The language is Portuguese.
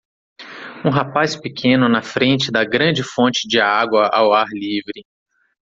Um rapaz pequeno na frente da grande fonte de água ao ar livre.